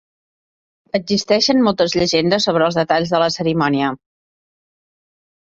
Existeixen moltes llegendes sobre els detalls de la cerimònia.